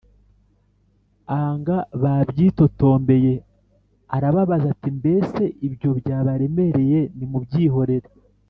Aanga babyitotombeye arababaza ati Mbese ibyo byabaremereye‽ Nimubyihorere